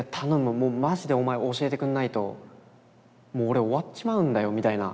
もうマジでお前教えてくんないともう俺終わっちまうんだよ」みたいな。